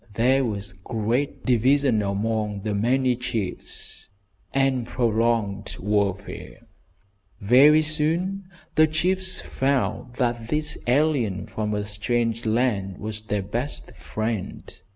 There was great division among the many chiefs, and prolonged warfare. Very soon the chiefs found that this alien from a strange land was their best friend.